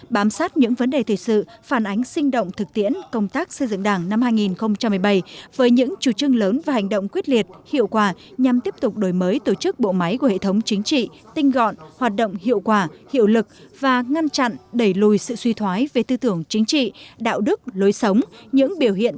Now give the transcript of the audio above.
bám sát những vấn đề thể sự phản ánh sinh động thực tiễn công tác xây dựng đảng năm hai nghìn một mươi bảy với những chủ trương lớn và hành động quyết liệt hiệu quả nhằm tiếp tục đổi mới tổ chức bộ máy của hệ thống chính trị tinh gọn hoạt động hiệu quả hiệu lực và ngăn chặn đẩy lùi sự suy thoái về tư tưởng chính trị đạo đức lối sống những biểu hiện